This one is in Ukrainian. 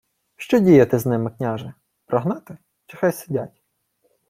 — Що діяти з ними, княже? Прогнати, чи хай сидять?